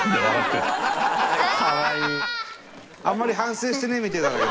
あんまり反省してねえみたいだけど。